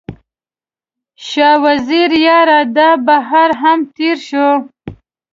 شاه وزیره یاره، دا بهار هم تیر شو